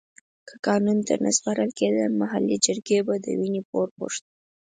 که قانون ته نه سپارل کېده محلي جرګې به د وينې پور غوښت.